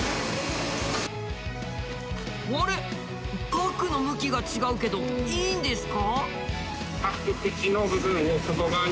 パックの向きが違うけどいいんですか？